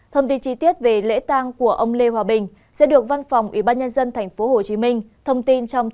thông tin chi tiết về lễ tăng của ông lê hòa bình sẽ được văn phòng ủy ban nhân dân tp hcm thông tin trong thời gian sớm nhất